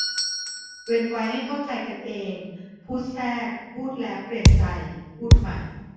เว้นไว้ให้เข้าใจกันเอง พูดแทรก พูดแล้วเปลี่ยนใจ พูดใหม่